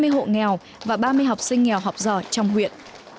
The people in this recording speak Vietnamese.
hai mươi hộ nghèo và ba mươi học sinh nghèo học giỏi trong huyện